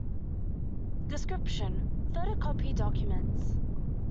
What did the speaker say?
Description: photocopied documents.